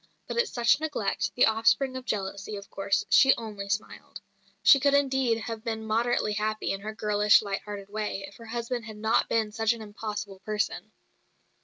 But at such neglect, the offspring of jealousy, of course, she only smiled. She could indeed have been moderately happy in her girlish, light hearted way, if her husband had not been such an impossible person.